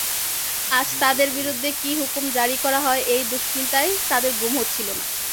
আজ তাদের বিরুদ্ধে কি হুকুম জারী হয় এই দুশ্চিন্তায় তাদের ঘুম হচ্ছিল না।